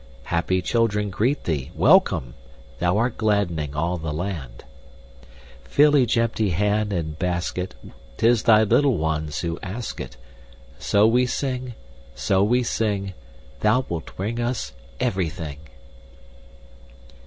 Happy children greet thee, welcome! Thou art glad'ning all the land! Fill each empty hand and basket, 'Tis thy little ones who ask it, So we sing so we sing Thou wilt bring us everything!"